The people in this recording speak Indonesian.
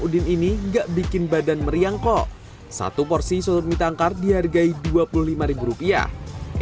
udin ini enggak bikin badan meriang kok satu porsi soto mie tangkar dihargai dua puluh lima ribu rupiah